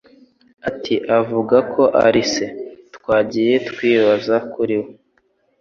ati: "Avuga ko ari se" "Twagiye twibaza kuri we"